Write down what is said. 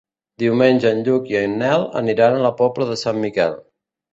Diumenge en Lluc i en Nel aniran a la Pobla de Sant Miquel.